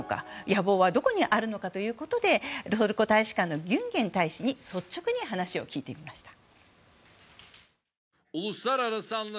野望はどこにあるのかということでトルコ大使館のギュンゲン駐日大使に率直に話を聞いてみました。